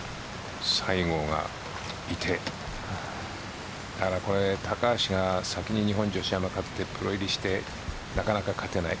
西郷がいて高橋が先に日本女子アマ勝ってプロ入りしてなかなか勝てない。